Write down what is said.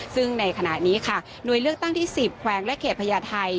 ซึ่งในขณะนี้ค่ะหน่วยเลือกตั้งที่๑๐แขวงและเขตพญาไทย